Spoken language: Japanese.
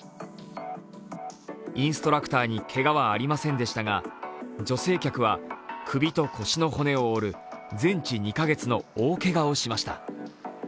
インストラクターにけがはありませんでしたが女性客は、首と腰の骨を折る全治２カ月の大けがをしました。